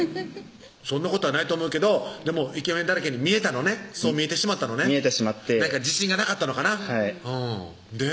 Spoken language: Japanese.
そんなことはないと思うけどでもイケメンだらけに見えたのねそう見えてしまったのね見えてしまってなんか自信がなかったのかなで？